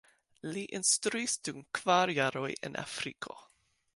Li instruis dum kvar jaroj en Afriko.